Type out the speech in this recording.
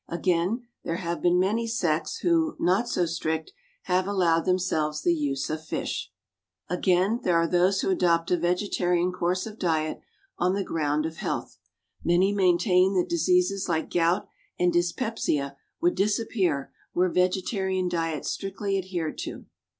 Again, there have been many sects who, not so strict, have allowed themselves the use of fish. Again, there are those who adopt a vegetarian course of diet on the ground of health. Many maintain that diseases like gout and dyspepsia would disappear were vegetarian diet strictly adhered to.